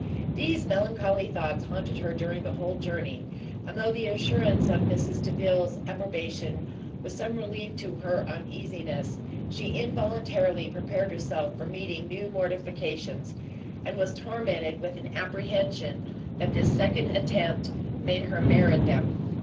These melancholy thoughts haunted her during the whole journey, and though the assurance of Mrs Delvile's approbation was some relief to her uneasiness, she involuntarily prepared herself for meeting new mortifications, and was tormented with an apprehension that this second attempt made her merit them.